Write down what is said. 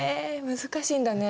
難しいんだね？